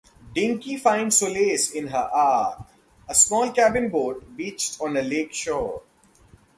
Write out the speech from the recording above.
Dinky finds solace in her "Ark", a small cabin-boat beached on a lake shore.